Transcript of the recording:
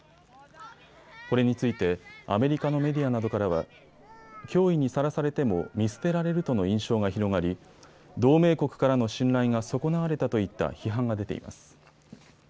これについてアメリカのメディアなどからは脅威にさらされても見捨てられるとの印象が広がり同盟国からの信頼が損なわれたといった批判が出ています。